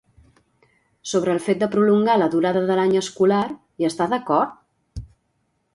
Sobre el fet de prolongar la durada de l'any escolar, hi està d'acord?